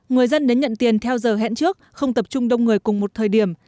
người dân đến nhận tiền theo giờ hẹn trước không tập trung đông người cùng một thời điểm